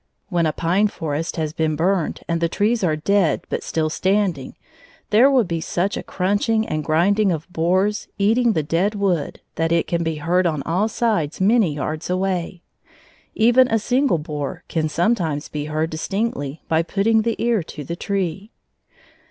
When a pine forest has been burned and the trees are dead but still standing, there will be such a crunching and grinding of borers eating the dead wood that it can be heard on all sides many yards away. Even a single borer can sometimes be heard distinctly by putting the ear to the tree.